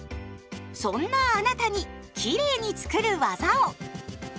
そんなあなたにきれいにつくる技を！